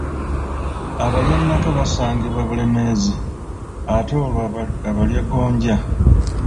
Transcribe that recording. Abalyannaka basangibwa Bulemeezi, ate olwo Abalyagonja?